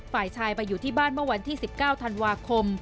ฝ่ายชายไปอยู่ที่บ้านเมื่อวันที่๑๙ธันวาคม